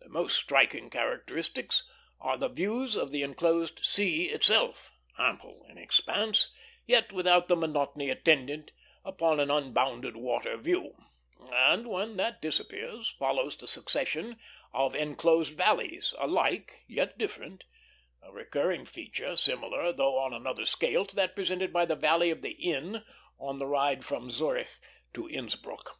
The most striking characteristics are the views of the enclosed sea itself, ample in expanse, yet without the monotony attendant upon an unbounded water view; and, when that disappears, follows the succession of enclosed valleys, alike, yet different; a recurrent feature similar, though on another scale, to that presented by the valley of the Inn on the ride from Zurich to Innsbruck.